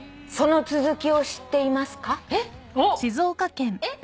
「その続きを知っていますか？」